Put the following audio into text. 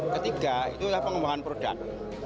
ketiga itu adalah pengembangan produk